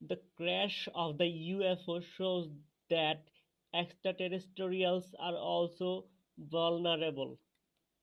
The crash of the UFO shows that extraterrestrials are also vulnerable.